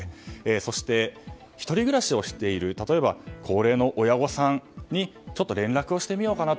そして、１人暮らしをしている例えば高齢の親御さんに連絡をしてみようかなと。